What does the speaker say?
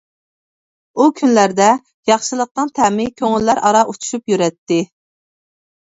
ئۇ كۈنلەردە ياخشىلىقنىڭ تەمى كۆڭۈللەر ئارا ئۇچۇشۇپ يۈرەتتى.